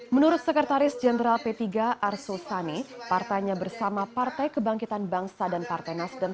menurut sekretaris jenderal p tiga arsul sani partainya bersama partai kebangkitan bangsa dan partai nasdem